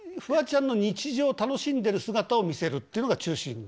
フワちゃんの日常楽しんでる姿を見せるっていうのが中心？